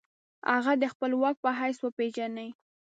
هغه د خپل واکمن په حیث وپیژني.